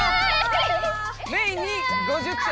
メイに５０点。